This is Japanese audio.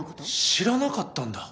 知らなかったんだ。